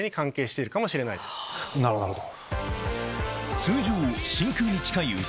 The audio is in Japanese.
なるほどなるほど。